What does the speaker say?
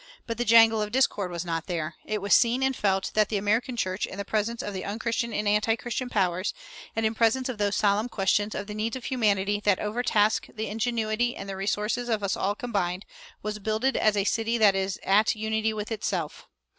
But the jangle of discord was not there. It was seen and felt that the American church, in the presence of the unchristian and antichristian powers, and in presence of those solemn questions of the needs of humanity that overtask the ingenuity and the resources of us all combined, was "builded as a city that is at unity with itself."